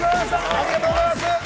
ありがとうございます。